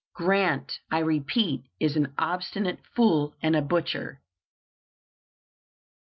Grant, I repeat, is an obstinate fool and a butcher."